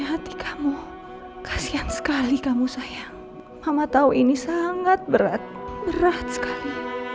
hati kamu kasihan sekali kamu sayang mama tahu ini sangat berat berat sekali